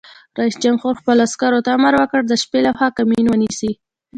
رئیس جمهور خپلو عسکرو ته امر وکړ؛ د شپې لخوا کمین ونیسئ!